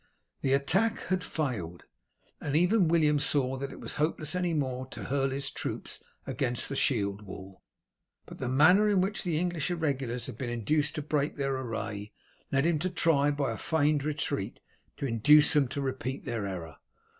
The attack had failed, and even William saw that it was hopeless any more to hurl his troops against the shield wall, but the manner in which the English irregulars had been induced to break their array led him to try by a feigned retreat to induce them to repeat their error.